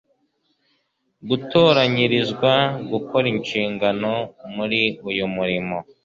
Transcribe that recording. gutoranyirizwa gukora inshingano muri uyu murimo